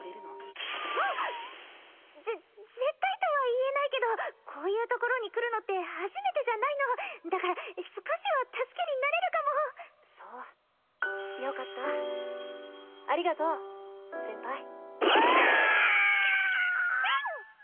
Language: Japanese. キューンぜ絶対とは言えないけどこういう所に来るのって初めてじゃないのだから少しは助けになれるかもそうよかったありがとう先輩うわあ！キャン！